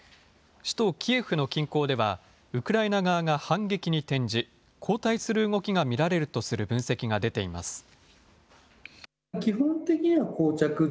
首都キエフの近郊ではウクライナ側が反撃に転じ後退する動きが見られるとする分析が出ています。